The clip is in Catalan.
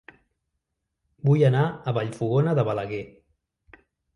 Vull anar a Vallfogona de Balaguer